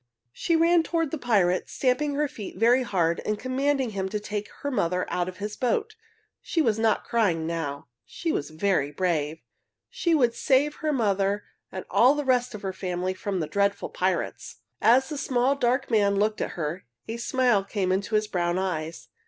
She ran toward the pirate, stamping her feet very hard and commanding him to take her mother out of his boat. She was not crying now. She was very brave. She would save her mother and all the rest of her family from the dreadful pirates. As the small, dark man looked at her, a smile came into his brown eyes.